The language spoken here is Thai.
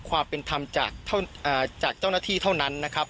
ความเป็นธรรมจากเจ้าหน้าที่เท่านั้นนะครับ